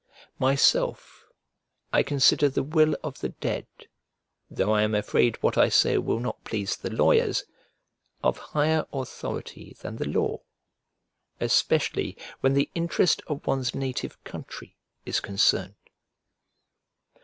Myself, I consider the will of the dead (though I am afraid what I say will not please the lawyers) of higher authority than the law, especially when the interest of one's native country is concerned.